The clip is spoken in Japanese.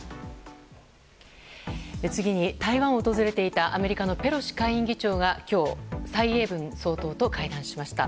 次に、台湾を訪れていたアメリカのペロシ下院議長が今日、蔡英文総統と会談しました。